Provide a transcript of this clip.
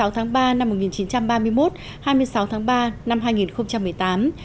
hai mươi tháng ba năm một nghìn chín trăm ba mươi một hai mươi sáu tháng ba năm hai nghìn một mươi tám